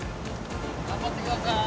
頑張ってください！